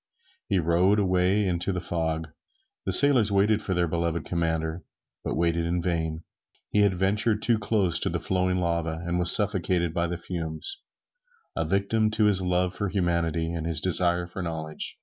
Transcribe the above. He rowed away into the fog. The sailors waited for their beloved commander, but waited in vain. He had ventured too close to the flowing lava, and was suffocated by the fumes, a victim to his love for humanity and his desire for knowledge.